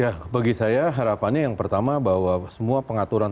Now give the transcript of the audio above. ya bagi saya harapannya yang pertama bahwa semua pengaturan